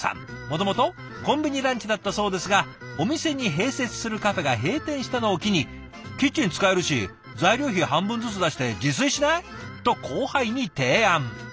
もともとコンビニランチだったそうですがお店に併設するカフェが閉店したのを機に「キッチン使えるし材料費半分ずつ出して自炊しない？」と後輩に提案。